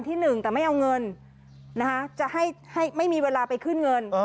แต่ไม่เอาเงินจะให้ไม่มีเวลาไปขึ้นเงิน